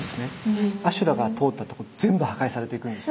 阿修羅が通ったとこ全部破壊されていくんです。